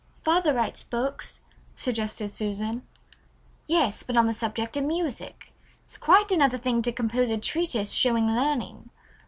"Father writes books," suggested Susan. "Yes, but on the subject of music. It's quite another thing to compose a treatise showing learning.